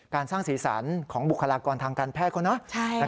การสร้างสีสันของบุคลากรทางการแพทย์